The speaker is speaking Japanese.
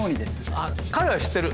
あっ彼は知ってる。